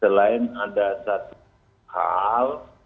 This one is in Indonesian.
selain ada satu hal